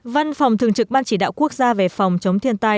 văn phòng thường trực ban chỉ đạo quốc gia về phòng chống thiên tai